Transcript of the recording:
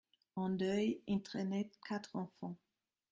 En deuil, il traînait quatre enfants.